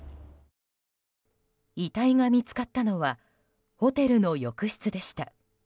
遺体が見つかったのはホテルの浴室でした。